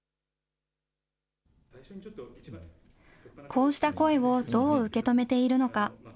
こうした声をどう受け止めているのか。